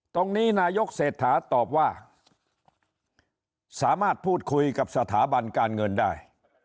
นายกเศรษฐาตอบว่าสามารถพูดคุยกับสถาบันการเงินได้